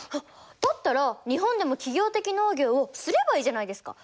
だったら日本でも企業的農業をすればいいじゃないですか。